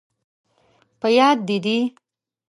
په یاد، دې دي؟